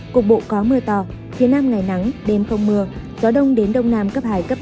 cục bộ có mưa to phía nam ngày nắng đêm không mưa gió đông đến đông nam cấp hai cấp bốn